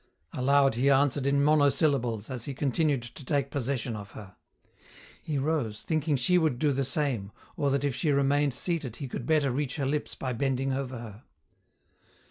Aloud he answered in monosyllables as he continued to take possession of her. He rose, thinking she would do the same, or that if she remained seated he could better reach her lips by bending over her.